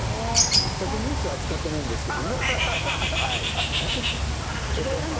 全くニュースを扱ってないんですけどいいんですか？